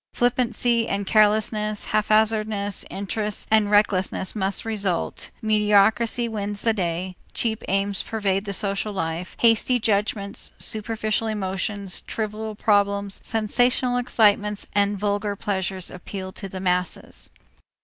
Flippancy and carelessness, haphazard interests and recklessness must result, mediocrity wins the day, cheap aims pervade the social life, hasty judgments, superficial emotions, trivial problems, sensational excitements, and vulgar pleasures appeal to the masses.